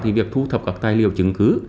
thì việc thu thập các tài liệu chứng cứ